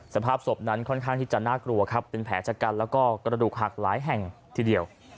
สภาพศพนั้นค่อนข้างที่จะน่ากลัวครับเป็นแผลชะกันแล้วก็กระดูกหักหลายแห่งทีเดียว